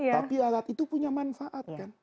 tapi lalat itu punya manfaat